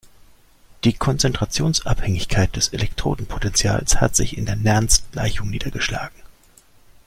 Die Konzentrationsabhängigkeit des Elektrodenpotentials hat sich in der Nernst-Gleichung niedergeschlagen.